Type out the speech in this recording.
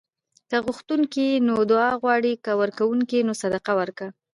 که غوښتونکی یې نو دعا غواړه؛ که ورکونکی یې نو صدقه ورکوه